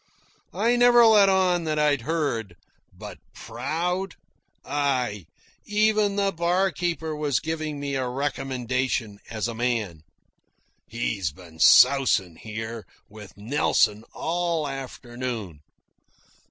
I never let on that I'd heard, but PROUD? Aye, even the barkeeper was giving me a recommendation as a man. "HE'S BEEN SOUSIN' HERE WITH NELSON ALL AFTERNOON."